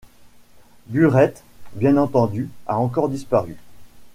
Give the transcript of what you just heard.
Burette, bien entendu, a encore disparu.